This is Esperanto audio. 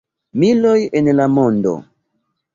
Miloj en la mondo.